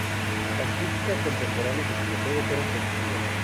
Las críticas contemporáneas del videojuego fueron positivas.